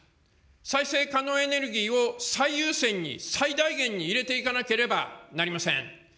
再生可能エネルギーを最優先に最大限に入れていかなければなりません。